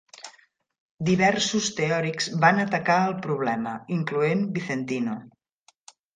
Diversos teòrics van atacar ell problema, incloent Vicentino.